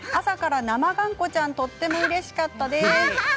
朝から、生がんこちゃんとても、うれしかったです。